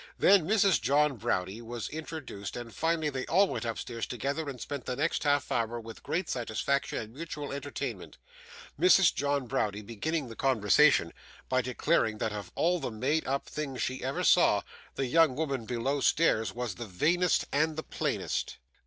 Then Mrs. John Browdie was introduced, and finally they all went upstairs together and spent the next half hour with great satisfaction and mutual entertainment; Mrs. John Browdie beginning the conversation by declaring that of all the made up things she ever saw, that young woman below stairs was the vainest and the plainest.